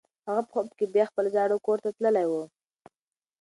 هغه په خوب کې بیا خپل زاړه کور ته تللې وه.